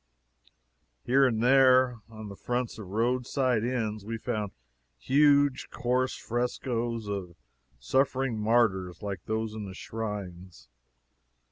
Here and there, on the fronts of roadside inns, we found huge, coarse frescoes of suffering martyrs like those in the shrines.